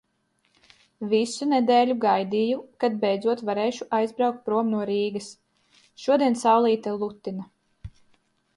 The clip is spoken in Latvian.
Visu nedēļu gaidīju, kad beidzot varēšu aizbraukt prom no Rīgas. Šodien saulīte lutina.